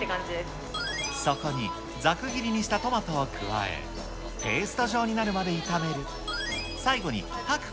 そこにざく切りにしたトマトを加え、ペースト状になるまで炒める。